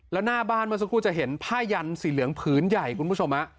แล้วหน้าบ้านเมื่อสักครู่จะเห็นผ้ายันสีเหลืองผืนใหญ่คุณผู้ชม